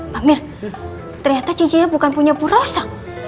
pak mir ternyata cincinnya bukan punya buroso